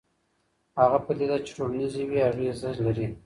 هغه پدیده چې ټولنیز وي اغېز لري.